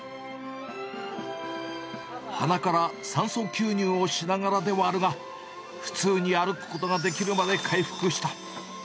鼻から酸素吸入をしながらではあるが、普通に歩くことができるまで回復した。